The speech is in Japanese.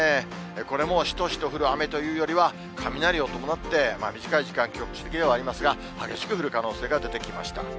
これもしとしと降る雨というよりは、雷を伴って、短い時間、局地的ではありますが、激しく降る可能性が出てきました。